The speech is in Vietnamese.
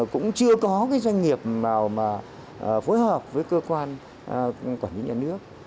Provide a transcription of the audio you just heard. cũng chưa có doanh nghiệp phối hợp với cơ quan quản lý nhà nước